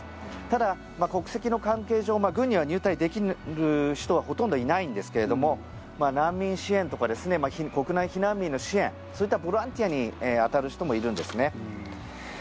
ただ、国籍の関係上軍に入隊できる人はほとんどいないんですけれども難民支援とかですね国内避難民の支援そういったボランティアに当たる人もいるんですね。